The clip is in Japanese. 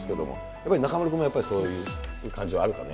やっぱり中丸君もそういう感じはあるかね。